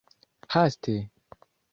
haste